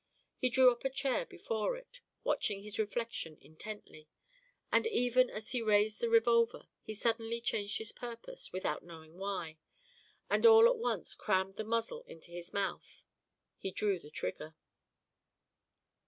He drew up a chair before it, watching his reflection intently, but even as he raised the revolver he suddenly changed his purpose without knowing why, and all at once crammed the muzzle into his mouth. He drew the trigger.